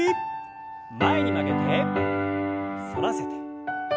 前に曲げて反らせて。